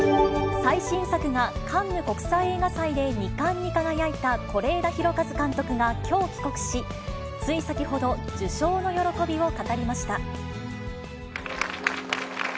最新作がカンヌ国際映画祭で２冠に輝いた是枝裕和監督がきょう帰国し、つい先ほど、受賞の喜びを語りました。